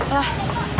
jalan kok ditutup